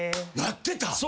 なってた。